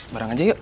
barang aja yuk